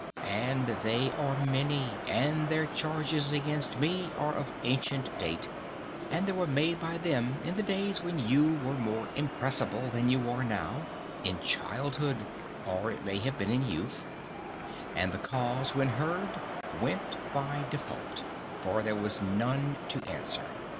And they are many, and their charges against me are of ancient date, and they were made by them in the days when you were more impressible than you are now—in childhood, or it may have been in youth—and the cause when heard went by default, for there was none to answer.